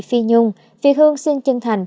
phi nhung việt hương xin chân thành